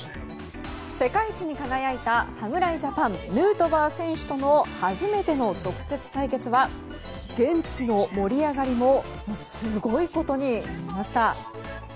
世界一に輝いた侍ジャパン、ヌートバー選手との初めての直接対決は現地の盛り上がりもすごいことになりました。